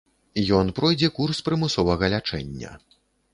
Ён пройдзе курс прымусовага лячэння.